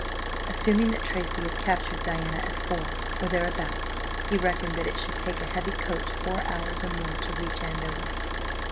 Assuming that Tracy had captured Diana at four, or thereabouts, he reckoned that it should take a heavy coach four hours or more to reach Andover.